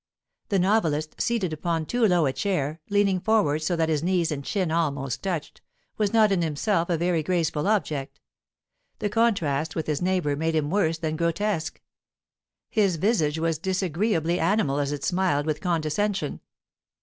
The novelist, seated upon too low a chair, leaning forward so that his knees and chin almost touched, was not in himself a very graceful object; the contrast with his neighbour made him worse than grotesque. His visage was disagree ably animal as it smiled with condescension.